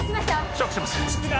ショックします涼香！